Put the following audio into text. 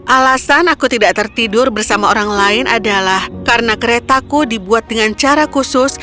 alasan aku tidak tertidur bersama orang lain adalah karena keretaku dibuat dengan cara khusus